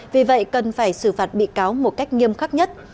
vì vậy cần phải xử phạt bị cáo một cách nghiêm khắc nhất